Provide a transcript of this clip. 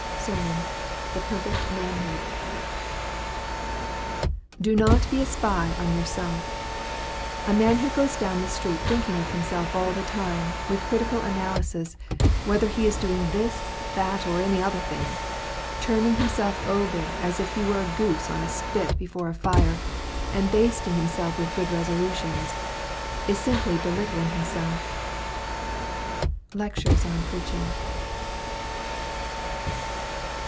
SERMON: 'The Perfect Manhood.' Do not be a spy on yourself. A man who goes down the street thinking of himself all the time, with critical analysis, whether he is doing this, that, or any other thing, turning himself over as if he were a goose on a spit before a fire, and basting himself with good resolutions, is simply belittling himself. 'LECTURES ON PREACHING.'